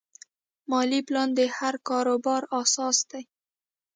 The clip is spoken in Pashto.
مالي پلان د هر کاروبار اساس دی.